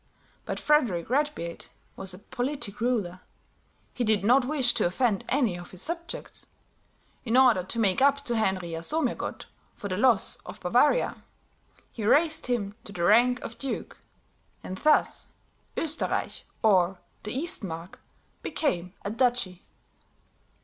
But Frederick Redbeard was a politic ruler; he did not wish to offend any of his subjects; in order to make up to Henry Jasomirgott for the loss of Bavaria, he raised him to the rank of duke, and thus Oesterreich or the Eastmark became a duchy.